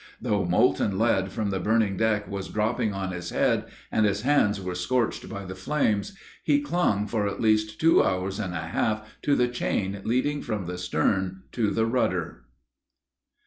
Though molten lead from the burning deck was dropping on his head, and his hands were scorched by the flames, he clung for at least two hours and a half to the chain leading from the stern to the rudder.